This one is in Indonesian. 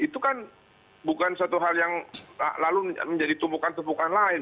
itu kan bukan suatu hal yang lalu menjadi tumpukan tumpukan lain